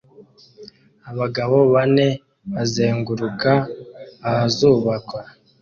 Abagabo bane bazenguruka ahazubakwa